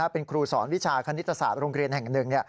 เป็นครูสอนวิชาคณิตศาสตร์โรงเรียนแห่งหนึ่ง